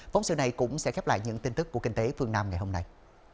phóng sự này cũng sẽ khép lại những tin tức của kinh tế phương nam ngày hôm nay